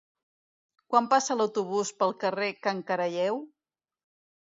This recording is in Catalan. Quan passa l'autobús pel carrer Can Caralleu?